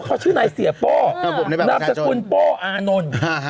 เขาชื่อนายเสียโป้นามสกุลโป้อานนท์